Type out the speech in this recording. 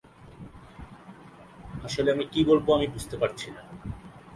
নদীটি অতীতে বহু ভয়ঙ্কর বন্যা ঘটিয়েছে।